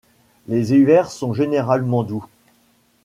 Les hivers sont généralement doux.